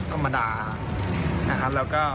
ธรรมดานะครับ